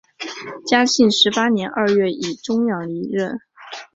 嘉庆十八年二月以终养离任。